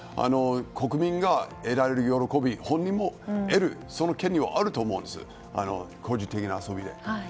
国民が得られるを喜び本人も得るその権利はあると思うんです。